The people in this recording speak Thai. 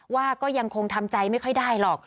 ว่าก็ยังคงทำใจไม่ค่อยได้หรอก